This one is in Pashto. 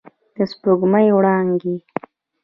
د سپوږمۍ وړانګې